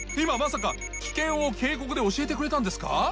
今まさか危険を警告で教えてくれたんですか？